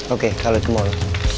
oke kalau itu cuma lo